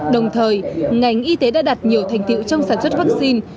đồng thời ngành y tế đã đạt nhiều thành tiệu trong sản xuất vaccine